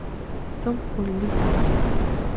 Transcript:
Son polígamos.